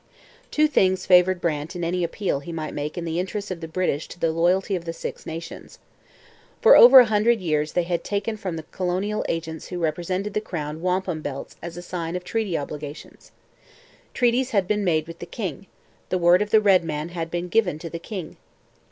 Two things favoured Brant in any appeal he might make in the interests of the British to the loyalty of the Six Nations. For over a hundred years they had taken from the colonial agents who represented the crown wampum belts as a sign of treaty obligations. Treaties had been made with the king; the word of the red man had been given to the king.